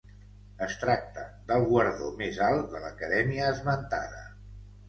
Es tracta del guardó més alt de l'Acadèmia esmentada.